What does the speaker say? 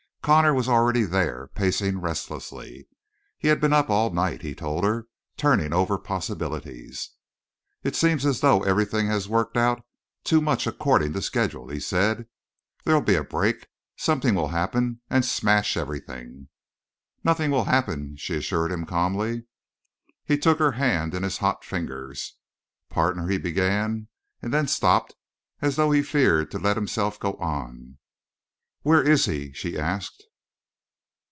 Connor was already there, pacing restlessly. He had been up all night, he told her, turning over possibilities. "It seems as though everything has worked out too much according to schedule," he said. "There'll be a break. Something will happen and smash everything!" "Nothing will happen," she assured him calmly. He took her hand in his hot fingers. "Partner" he began, and then stopped as though he feared to let himself go on. "Where is he?" she asked.